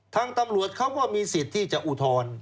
ทางตำรวจเขาก็มีสิทธิ์ที่จะอุทธรณ์